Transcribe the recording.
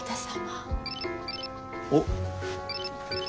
おっ。